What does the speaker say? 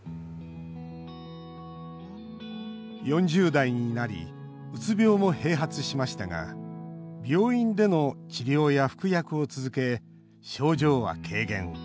４０代になりうつ病も併発しましたが病院での治療や服薬を続け症状は軽減。